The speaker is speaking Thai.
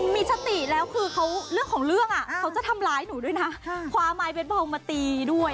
มีชติแล้วแล้วชตินะคะคือความต่ำมาตีความหายไปมาตีด้วย